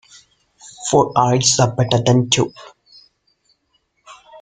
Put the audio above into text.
Four eyes are better than two.